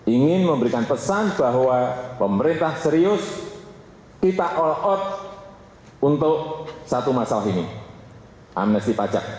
ingin memberikan pesan bahwa pemerintah serius kita all out untuk satu masalah ini amnesti pajak